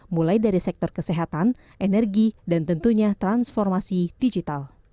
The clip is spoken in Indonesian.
mulai dari sektor kesehatan energi dan tentunya transformasi digital